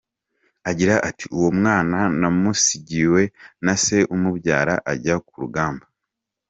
Agira ati “Uwo mwana namusigiwe na se umubyara ajya ku rugamba.